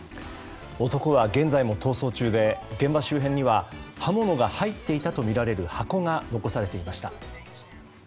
男は現在も逃走中で現場周辺には刃物が入っていたとみられる箱が残されていました。